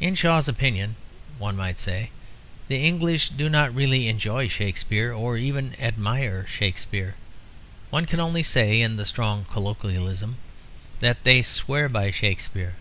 In Shaw's opinion (one might say) the English do not really enjoy Shakespeare or even admire Shakespeare; one can only say, in the strong colloquialism, that they swear by Shakespeare.